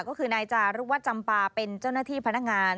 ก็คือนายจารุวัตรจำปาเป็นเจ้าหน้าที่พนักงาน